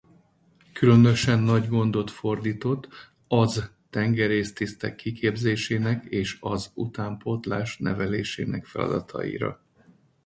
Különösen nagy gondot fordított az tengerésztisztek kiképzésének és az utánpótlás nevelésének feladataira.